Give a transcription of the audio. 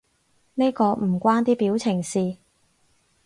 呢個唔關啲表情事